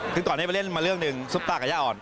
คือตอนนี้ไปเล่นมาเรื่องหนึ่งซุปตากับย่าอ่อน